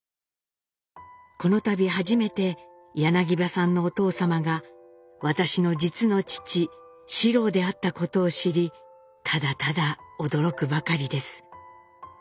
この度初めて柳葉さんのお父様が私の実の父四郎であったことを知りただただ驚くばかりです」。